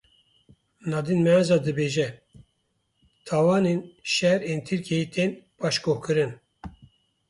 Nadîn Maenza dibêje; tawanên şer ên Tirkiyeyê tên paşguhkirin.